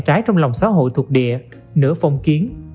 trái trong lòng xã hội thuộc địa nửa phong kiến